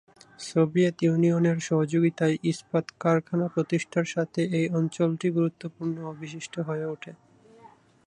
Soviet ইউনিয়নের সহযোগিতায় ইস্পাত কারখানা প্রতিষ্ঠার সাথে এই অঞ্চলটি গুরুত্বপূর্ণ ও বিশিষ্ট হয়ে ওঠে।